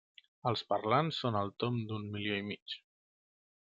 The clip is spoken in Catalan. Els parlants són al tomb d'un milió i mig.